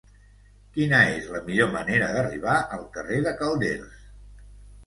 Quina és la millor manera d'arribar al carrer de Calders?